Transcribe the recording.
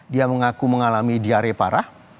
dia mengaku mengalami diare parah